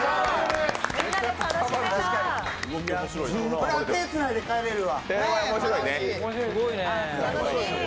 これ手つないで帰れるわ。